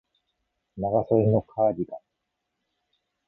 長袖のカーディガン